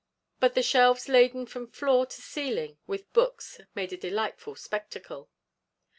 But the shelves laden from floor to ceiling with books made a delightful spectacle.